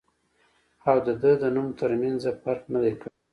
او د دۀ د نوم تر مېنځه فرق نۀ دی کړی